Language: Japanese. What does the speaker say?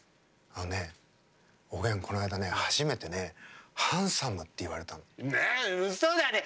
あのね、おげんこないだね、初めてねハンサムって言われたの。